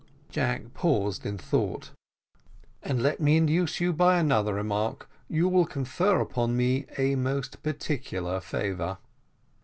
Jack paused in thought. "And let me induce you by another remark you will confer on me a most particular favour."